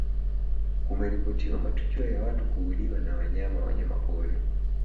kumeripotiwa matukio ya watu kuuliwa na wanyama wanyamapori